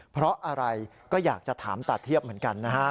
เพราะอะไรก็อยากจะถามตาเทียบเหมือนกันนะฮะ